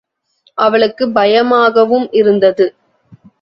அவளுக்குப் பயமாகவும் இருந்தது.